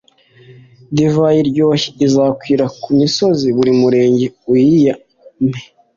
divayi iryoshye izakwira ku misozi, buri murenge uyiyame.